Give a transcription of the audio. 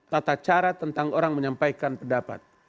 tata cara tentang orang menyampaikan pendapat